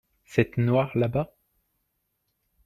cette noire là-bas.